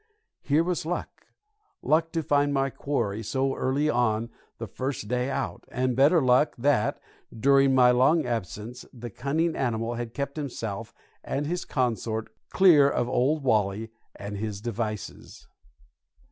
Here was luck, luck to find my quarry so early on the first day out, and better luck that, during my long absence, the cunning animal had kept himself and his consort clear of Old Wally and his devices.